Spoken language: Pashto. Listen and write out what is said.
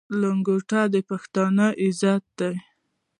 لنګوټه د پښتانه عزت دی.